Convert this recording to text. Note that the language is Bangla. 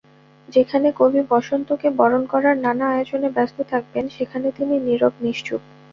যেখানে কবি বসন্তকে বরণ করার নানা আয়োজনে ব্যস্ত থাকবেন, সেখানে তিনি নীরব-নিশ্চুপ।